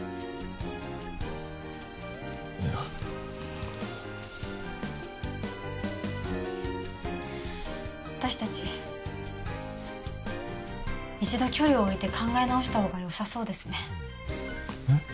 いや私達一度距離を置いて考え直したほうがよさそうですねえっ？